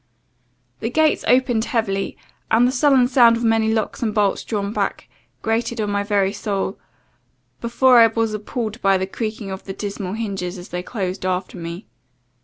"The gates opened heavily, and the sullen sound of many locks and bolts drawn back, grated on my very soul, before I was appalled by the creeking of the dismal hinges, as they closed after me.